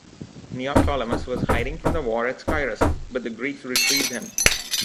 Neoptolemus was hiding from the war at Scyrus, but the Greeks retrieved him.